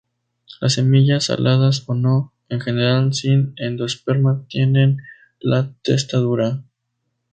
Las semillas, aladas o no, en general sin endosperma, tienen la testa dura.